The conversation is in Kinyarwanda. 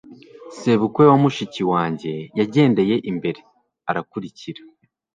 sebukwe wa mushiki wanjye yagendeye imbere, arakurikira